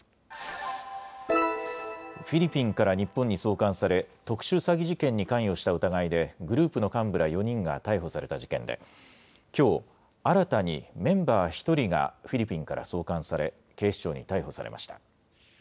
フィリピンから日本に送還され、特殊詐欺事件に関与した疑いで、グループの幹部ら４人が逮捕された事件できょう、新たにメンバー１人がフィリピンから送還され、警視庁に逮捕されました。